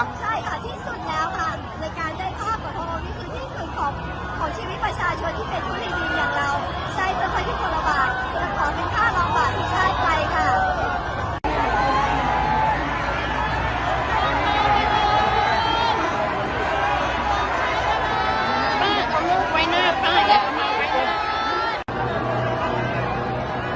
ใช่ค่ะที่สุดแล้วค่ะในการได้ภาพกระโทษนี่คือที่สุดของของชีวิตประชาชน